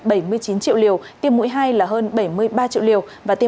tiêm mũi hai là hơn bảy mươi ba triệu liều và tiêm mũi ba là hơn hai mươi triệu liều